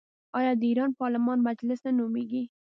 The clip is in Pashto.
آیا د ایران پارلمان مجلس نه نومیږي؟